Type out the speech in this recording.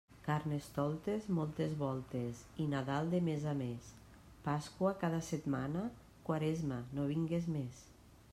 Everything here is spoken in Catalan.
Carnestoltes moltes voltes i Nadal de mes a mes, Pasqua cada setmana; Quaresma, no vingues més.